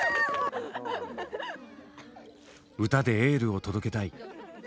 「歌でエールを届けたい」。